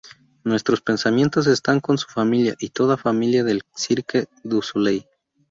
Nuestros pensamientos están con su familia y toda la familia del Cirque du Soleil".